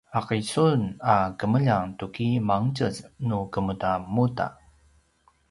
’aki sun a kemljang tuki mangtjez nu kemudamuda?